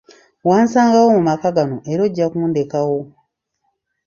Wansangawo mu maka gano era ojja kundekawo.